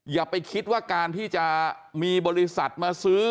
อย่าไปคิดว่าการที่จะมีบริษัทมาซื้อ